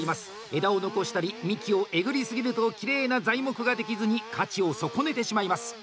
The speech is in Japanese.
枝を残したり幹をえぐりすぎるときれいな材木ができずに価値を損ねてしまいます。